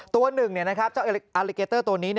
ตัวหนึ่งนะครับอลลิเกเตอร์ตัวนี้